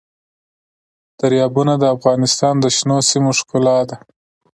دریابونه د افغانستان د شنو سیمو ښکلا ده.